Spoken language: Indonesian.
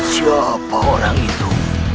siapa orang itu